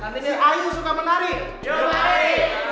si ayu suka menari